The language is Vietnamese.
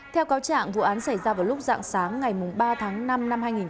theo cáo trạng vụ án xảy ra vào lúc dạng sáng ngày ba tháng năm năm hai nghìn hai mươi ba